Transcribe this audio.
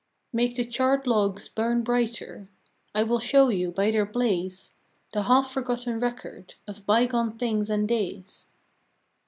109 Make the charred logs burn brighter; I will show you, by their blaze, The half forgotten record Of bygone things and days.